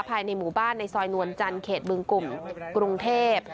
ภายในหมู่บ้านในซอยนวลจันทร์เขตบึงกลุ่มกรุงเทพ